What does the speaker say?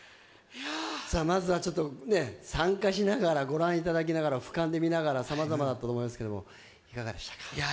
まずは参加しながらご覧いただきながら、俯瞰で見ながらさまざまだったと思いますけどいかがですか？